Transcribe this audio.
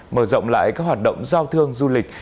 mở rộng lại các hoạt động giao thương du lịch